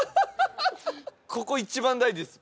ここ一番大事です。